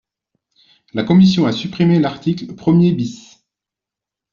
La commission a supprimé l’article premier bis.